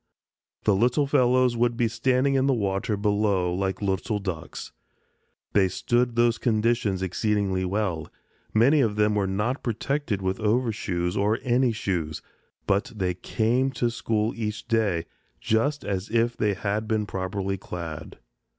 The little fellows would be standing in the water below like little ducks. They stood these conditions exceedingly well. Many of them were not protected with overshoes or any shoes, but they came to school each day just as if they had been properly clad.